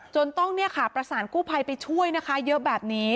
จนต้องประสานกู้ภัยไปช่วยนะคะเยอะแบบนี้